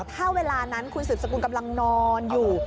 ถ้าเวลานั้นคุณสืบสกุลกำลังนอนอยู่